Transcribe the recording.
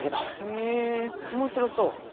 へぇ面白そう。